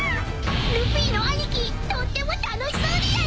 ルフィの兄貴とっても楽しそうでやんす！］